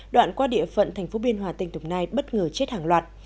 đoạn qua địa phận thành phố biên hòa tình tùng nai bất ngờ chết hàng loạt